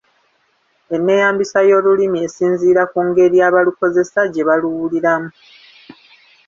Enneeyambisa y’Olulimi esinziira ku ngeri abalukozesa gye baluwuliramu.